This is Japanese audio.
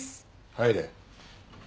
入れ。